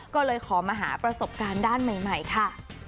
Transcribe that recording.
ก็เลยขอมาหาประสบการณ์ด้านใหม่ค่ะ